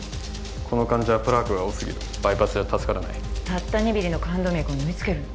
この患者はプラークが多すぎるバイパスじゃ助からないたった２ミリの冠動脈を縫い付けるの？